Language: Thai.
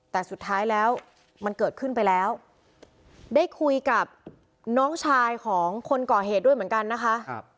แต่สุดท้ายแล้วมันเกิดขึ้นไปแล้วได้คุยกับน้องชายของคนก่อเหตุด้วยเหมือนกันนะคะ